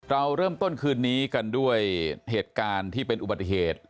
เราเริ่มต้นคืนนี้กันด้วยเหตุการณ์ที่เป็นอุบัติเหตุ